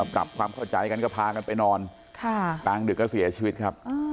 ปรับความเข้าใจกันก็พากันไปนอนกลางดึกก็เสียชีวิตครับ